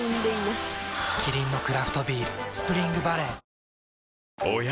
キリンのクラフトビール「スプリングバレー」おや？